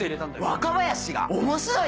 ・若林が面白い？